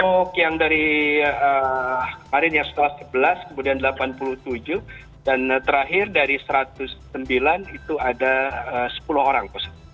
untuk yang dari kemarin yang setelah sebelas kemudian delapan puluh tujuh dan terakhir dari satu ratus sembilan itu ada sepuluh orang